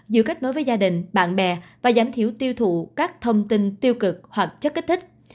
giữa kết nối với gia đình bạn bè và giảm thiểu tiêu thụ các thông tin tiêu cực hoặc chất kích thích